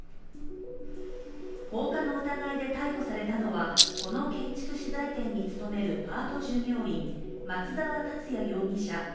放火の疑いで逮捕されたのは、この建築資材店に勤めるパート従業員松沢達也容疑者